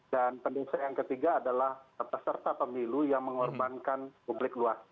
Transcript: dan pendosa yang ketiga adalah peserta pemilu yang mengorbankan publik luas